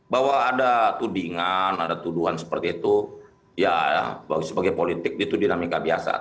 bahwa ada tudingan ada tuduhan seperti itu ya sebagai politik itu dinamika biasa